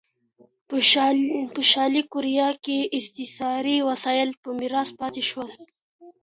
په شلي کوریا کې استثاري وسایل په میراث پاتې شول.